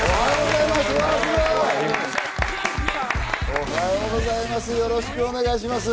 おはようございます！